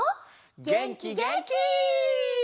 げんきげんき！